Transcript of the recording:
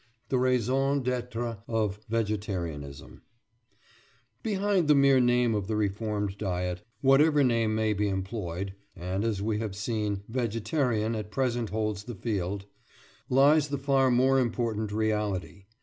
THE RAISON D'ÊTRE OF VEGETARIANISM Behind the mere name of the reformed diet, whatever name be employed (and, as we have seen, "vegetarian" at present holds the field), lies the far more important reality.